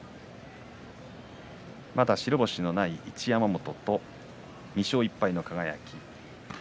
まだ白星のない一山本と２勝１敗の輝。